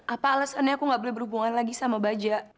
apa alasannya aku tidak boleh berhubungan lagi sama bajak